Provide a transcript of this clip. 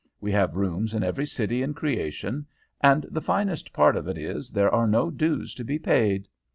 We have rooms in every city in creation; and the finest part of it is there are no dues to be paid.